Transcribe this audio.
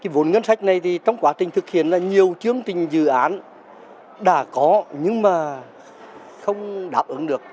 vốn ngân sách này thì trong quá trình thực hiện là nhiều chương trình dự án đã có nhưng mà không đáp ứng được